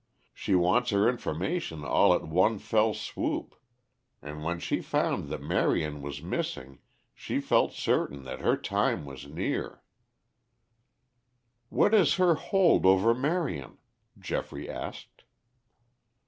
She wants her information all at one fell swoop. And when she found that Marion was missing she felt certain that her time was near." "What is her hold over Marion?" Geoffrey asked.